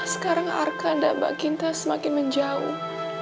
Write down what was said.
sekarang arka dan mbak ginta semakin menjauh